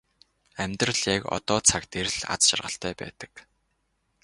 Амьдрал яг одоо цаг дээр л аз жаргалтай байдаг.